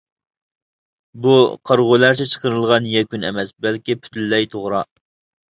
بۇ قارىغۇلارچە چىقىرىلغان يەكۈن ئەمەس، بەلكى پۈتۈنلەي توغرا.